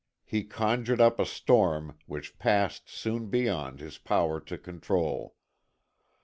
He conjured up a storm which passed soon beyond his power to control.